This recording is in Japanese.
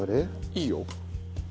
いいよ。